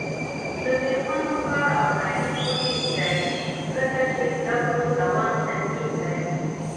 د میرمنو کار او تعلیم مهم دی ځکه چې زدکړو دوام تضمین دی.